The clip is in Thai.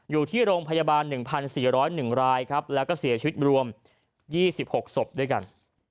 อยู่ที่โรงพยาบาล๑๔๐๑รายครับแล้วก็เสียชีวิตรวม๒๖ศพด้วยกัน